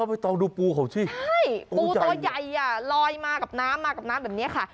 ไม่ต้องดูปูเขาสิใช่ปูตัวใหญ่อ่ะลอยมากับน้ำมากับน้ำแบบนี้ค่ะ